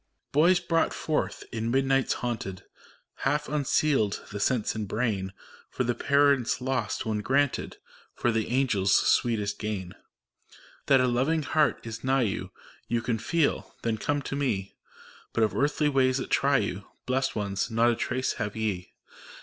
Boys, brought forth in midnights haunted, Hfdf unsealed the sense and brain, For the parents lost when granted, For the angels sweetest gain ! That a loving heart is nigh you You can feel : then come to me ! But of earthly ways that try you. Blest ones! not a trace have ye.